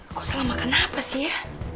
kok selama kenapa sih ya